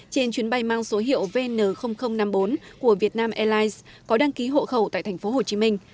trên chuyến bay mang số hiệu vn năm mươi bốn của việt nam airlines có đăng ký hộ khẩu tại thành phố hồ chí minh